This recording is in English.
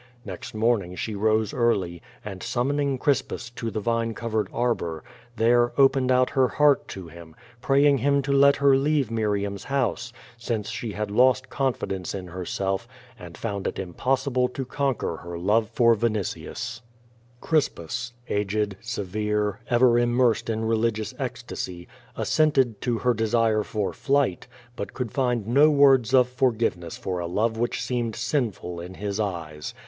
Mext morning she rose early, and sum 2i6 QVO VADI8. moning Crispus to the vine covered arbor, there opened out her heart to him, prajdng him to let her leave Miriam's house, since she had lost confidence in herself, and found it impos sible to conquer her love for Vinitius. Crispus, aged, severe, ever immersed in religious ecstasy, assented to her desire for flight, but could find no words of forgiveness for a love which seemed sinful in his eyes.